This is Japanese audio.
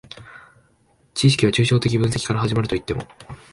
知識は抽象的分析から始まるといっても、